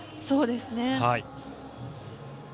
そうですね。